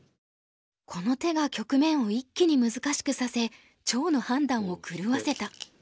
この手が局面を一気に難しくさせ趙の判断を狂わせた。